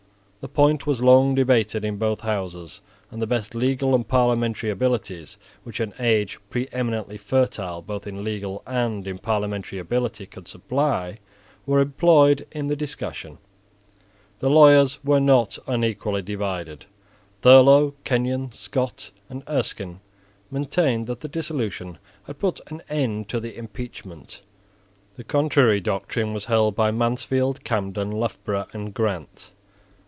The point was long debated in both houses; and the best legal and parliamentary abilities which an age preeminently fertile both in legal and in parliamentary ability could supply were employed in the discussion. The lawyers were not unequally divided. Thurlow, Kenyon, Scott, and Erskine maintained that the dissolution had put an end to the impeachment. The contrary doctrine was held by Mansfield, Camden, Loughborough, and Grant.